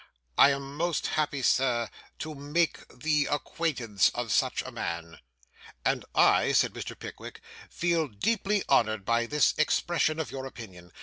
'I am most happy, sir, to make the acquaintance of such a man.' 'And I,' said Mr. Pickwick, 'feel deeply honoured by this expression of your opinion.